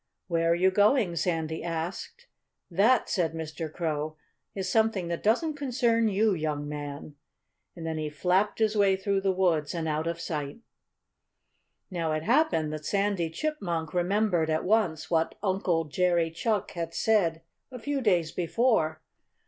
"Where are you going?" Sandy asked. "That " said Mr. Crow "that is something that doesn't concern you, young man." And then he flapped his way through the woods and out of sight. Now, it happened that Sandy Chipmunk remembered at once what Uncle Jerry Chuck had said a few days before.